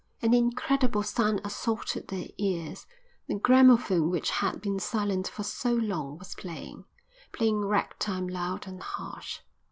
An incredible sound assaulted their ears. The gramophone which had been silent for so long was playing, playing ragtime loud and harsh.